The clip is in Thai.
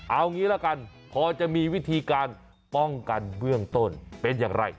เอางี้ละกันพอจะมีวิธีการป้องกันเบื้องต้นเป็นอย่างไร